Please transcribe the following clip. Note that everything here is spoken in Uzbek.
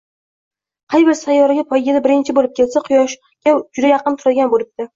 Qay bir sayyora poygada birinchi boʻlib kelsa, Quyoshga juda yaqin turadigan boʻlibdi